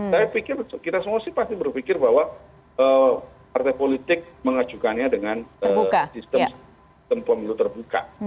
saya pikir kita semua sih pasti berpikir bahwa partai politik mengajukannya dengan sistem pemilu terbuka